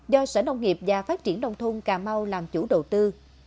do sở nông nghiệp và phát triển nông thôn cà mau làm chủ đầu tư